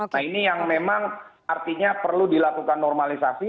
nah ini yang memang artinya perlu dilakukan normalisasi